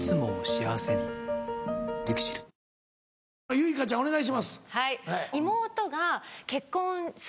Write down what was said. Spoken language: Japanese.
ユイカちゃんお願いします。